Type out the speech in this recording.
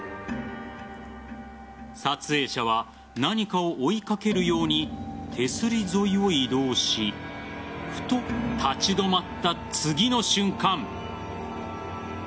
撮影者は何かを追いかけるように手すり沿いを移動しふと立ち止まった次の瞬間